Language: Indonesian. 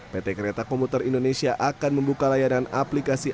pt kereta komuter indonesia akan membuka layanan aplikasi